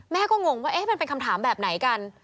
แม่ก็งงว่ามันเป็นคำถามแบบไหนกัน